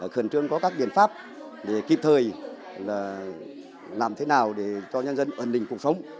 khẩn trương có các biện pháp để kịp thời làm thế nào để cho nhân dân ổn định cuộc sống